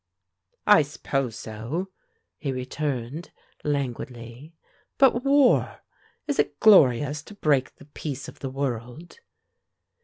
"I suppose so," he returned, languidly. "But war! Is it glorious to break the peace of the world?"